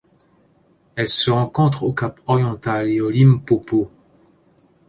Elle se rencontre au Cap-Oriental et au Limpopo.